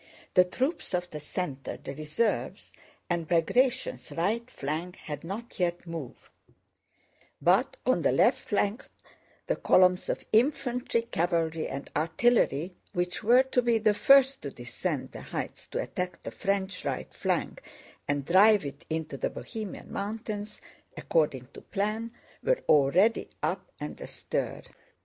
The troops of the center, the reserves, and Bagratión's right flank had not yet moved, but on the left flank the columns of infantry, cavalry, and artillery, which were to be the first to descend the heights to attack the French right flank and drive it into the Bohemian mountains according to plan, were already up and astir.